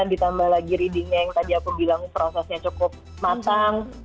ditambah lagi readingnya yang tadi aku bilang prosesnya cukup matang